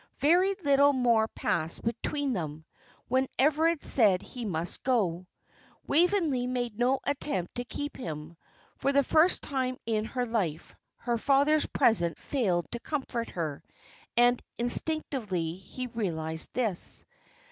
Very little more passed between them, when Everard said he must go; Waveney made no attempt to keep him. For the first time in her life her father's presence failed to comfort her, and instinctively he realised this.